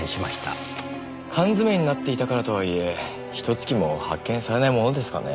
缶詰になっていたからとはいえひと月も発見されないものですかね？